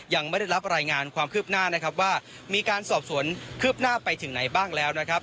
ยังไม่ได้รับรายงานความคืบหน้านะครับว่ามีการสอบสวนคืบหน้าไปถึงไหนบ้างแล้วนะครับ